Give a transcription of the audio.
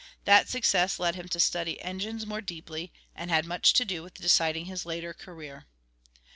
That success led him to study engines more deeply, and had much to do with deciding his later career.